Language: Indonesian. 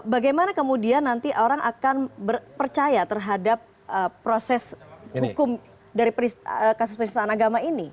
bagaimana kemudian nanti orang akan percaya terhadap proses hukum dari kasus penistaan agama ini